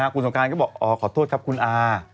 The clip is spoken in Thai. คุณสงการก็บอกอ๋อขอโทษครับคุณอา